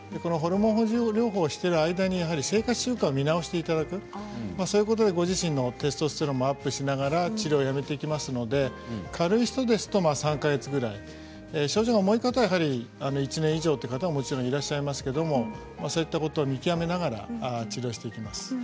ホルモン補充療法をしている間にやはり生活習慣を見直していただくそういうことでご自身のテストステロンをアップしながら治療をやめていきますので軽い人ですと３か月ぐらい症状の重い方はやはり１年以上という方ももちろんいらっしゃいますけどそういったことを見極めながら治療していきます。